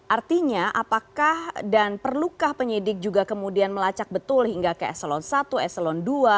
artinya apakah dan perlukah penyidik juga kemudian melacak betul hingga ke eselon satu eselon dua